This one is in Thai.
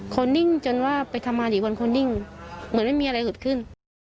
เค้านิ่งจนว่าไปทำมาหลีวันเค้านิ่งเหมือนไม่มีอะไรหึดขึ้น